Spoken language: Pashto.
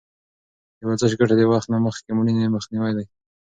د ورزش ګټه د وخت نه مخکې مړینې مخنیوی دی.